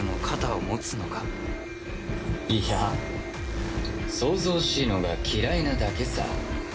騒々しいのが嫌いなだけさ。